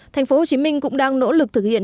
thành phố hồ chí minh cũng đang nỗ lực thực hiện